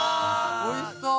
おいしそう！